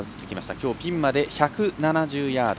きょう、ピンまで１７０ヤード。